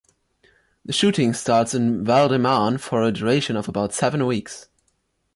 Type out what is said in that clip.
The shooting starts in Val-de-Marne for a duration of about seven weeks.